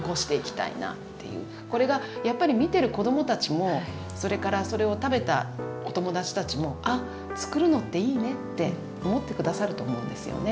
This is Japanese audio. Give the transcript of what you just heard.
これがやっぱり見てる子供たちもそれからそれを食べたお友達たちも「あつくるのっていいね」って思って下さると思うんですよね